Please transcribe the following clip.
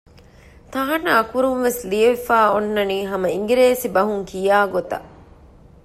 ތާނައަކުރުން ވެސް ލިޔެފައި އޮންނަނީ ހަމަ އިނގިރޭސިބަހުން ކިޔާ ގޮތަށް